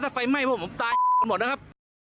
ถ้าไฟไหม้พวกผมตายกันหมดนะครับ